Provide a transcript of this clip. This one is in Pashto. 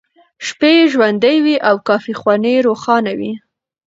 شپې یې ژوندۍ وې او کافيخونې روښانه وې.